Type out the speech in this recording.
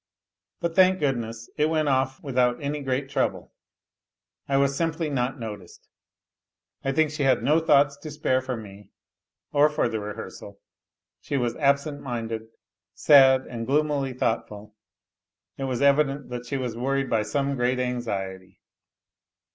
But, thank good ness, it went off without any great trouble ; I was simply not noticed. I think she had no thoughts to spare for me or for the rehearsal ; she was absent minded, sad and gloomily thoughtful ; it was evident that she was worried by some great anxiety.